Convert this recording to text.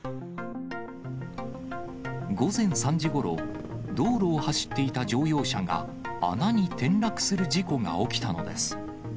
午前３時ごろ、道路を走っていた乗用車が穴に転落する事故が起きたのです。